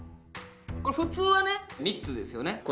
これ普通はね３つですよね